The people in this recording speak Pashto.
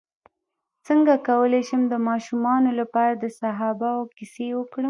څنګه کولی شم د ماشومانو لپاره د صحابه وو کیسې وکړم